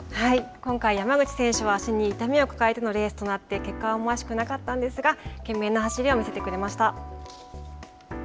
今回、山口選手は足に痛みを抱えてのレースとなって結果は思わしくなかったんですが懸命な走りを見せてくれました。